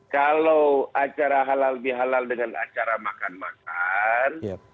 kalau acara halal bihalal dengan acara makan makan